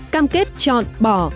cam kết chọn bỏ